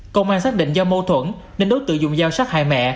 công an xác định do mâu thuẫn nên đối tượng dùng dao sát hại mẹ